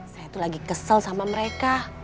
saya itu lagi kesel sama mereka